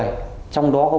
mày không xâm phạm